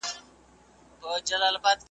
فرعون غوټه د خپل زړه کړه ورته خلاصه ,